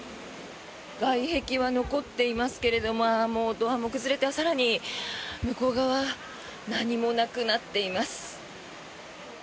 外壁は残っていますがドアも崩れて更に向こう側何もなくなっています。